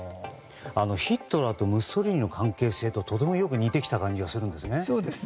ヒトラーとムッソリーニの関係性ととてもよく似てきた感じがするんですね。